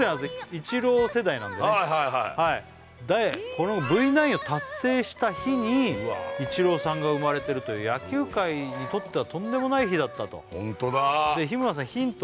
イチロー世代なんでねでこのＶ９を達成した日にイチローさんが生まれてるという野球界にとってはとんでもない日だったとホントだで日村さんヒント